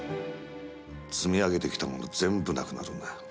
積み上げてきたものが全部なくなるんだ。